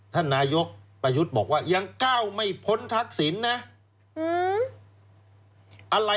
ท่านนายกประยุทธ์บอกว่ายังก้าวไม่พ้นทักษิณนะอะไร